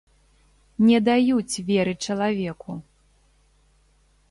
Не даюць веры чалавеку.